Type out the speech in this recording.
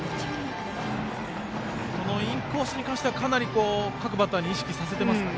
インコースに関してはかなり各バッターに意識させてますかね。